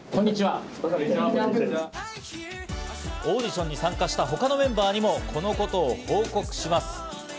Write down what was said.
オーディションに参加した他のメンバーにも、このことを報告します。